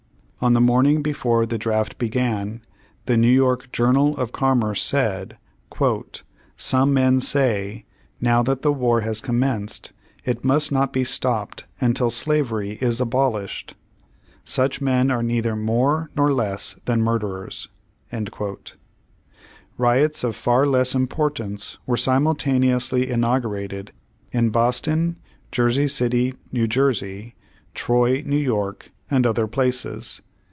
On the morning before the draft began, the New York Journal of Com merce said: "Some men say, 'Now that the war has commenced it must not be stopped until slavery is abolished.' Such men are neither more nor less than murderers." Riots of far less importance were simultane ously inaugurated in Boston, Jersey City, N. J., Troy, N. Y., and other places.